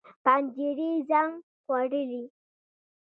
پنجرې زنګ خوړلي